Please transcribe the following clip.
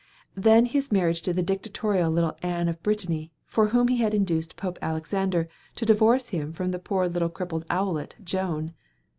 Then his marriage to dictatorial little Anne of Brittany, for whom he had induced Pope Alexander to divorce him from the poor little crippled owlet, Joan.